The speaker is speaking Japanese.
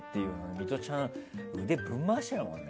ミトちゃんは腕、ぶん回してるもんね。